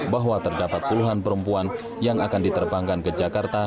bahwa terdapat puluhan perempuan yang akan diterbangkan ke jakarta